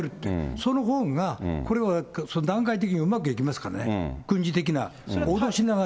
そのほうが、これは段階的にうまくいきますからね、軍事的な、脅しながら。